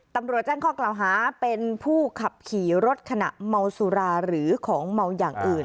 ตำรวจแจ้งข้อกล่าวหาเป็นผู้ขับขี่รถขณะเมาสุราหรือของเมาอย่างอื่น